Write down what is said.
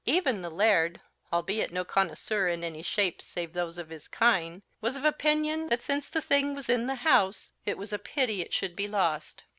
Even the Laird, albeit no connoisseur in any shapes save those of his kine, was of opinion that since the thing was in the house it was a pity it should be lost.